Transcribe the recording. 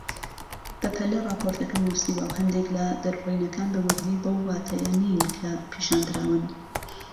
بەپەلە راپۆرتەکەم نووسیوە و هەندێک لە دەربڕینەکان بە وردی بەو واتایە نین کە پیشاندراون